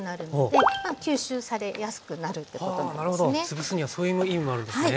つぶすにはそういう意味もあるんですね。